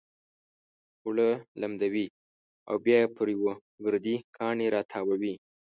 اوړه لمدوي او بيا يې پر يو ګردي کاڼي را تاووي.